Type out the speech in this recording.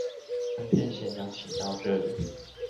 當天閒聊請到這裡